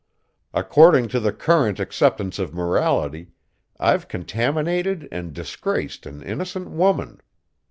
According to the current acceptance of morality, I've contaminated and disgraced an innocent woman.